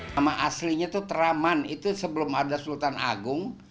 nama aslinya itu teraman itu sebelum ada sultan agung